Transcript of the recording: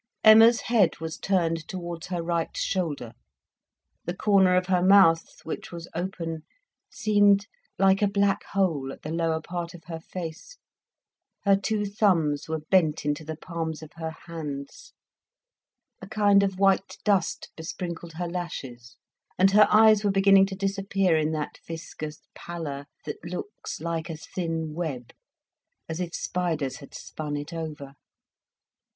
Emma's head was turned towards her right shoulder, the corner of her mouth, which was open, seemed like a black hole at the lower part of her face; her two thumbs were bent into the palms of her hands; a kind of white dust besprinkled her lashes, and her eyes were beginning to disappear in that viscous pallor that looks like a thin web, as if spiders had spun it over.